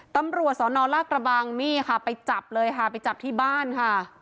ตำรวจสนลากระบังนี่ค่ะไปจับเลยค่ะไปจับที่บ้านค่ะ